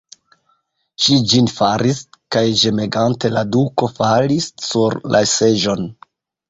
Ŝi ĝin faris, kaj ĝemegante la duko falis sur la seĝon.